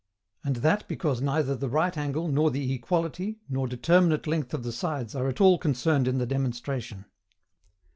And that because neither the right angle, nor the equality, nor determinate length of the sides are at all concerned in the demonstration.